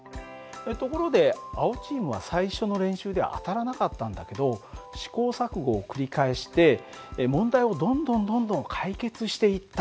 ところで青チームは最初の練習で当たらなかったんだけど試行錯誤を繰り返して問題をどんどんどんどん解決していった。